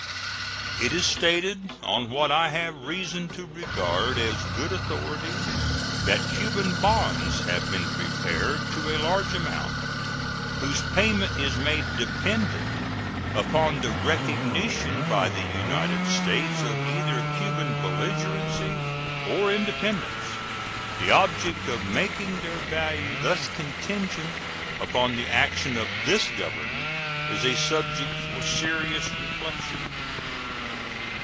It is stated on what I have reason to regard as good authority that Cuban bonds have been prepared to a large amount, whose payment is made dependent upon the recognition by the United States of either Cuban belligerency or independence. The object of making their value thus contingent upon the action of this Government is a subject for serious reflection.